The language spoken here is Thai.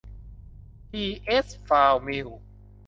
ที เอส ฟลาวมิลล์